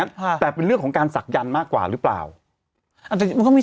ค่ะแต่เป็นเรื่องของการศักยันต์มากกว่าหรือเปล่าอาจจะจริงมันก็มี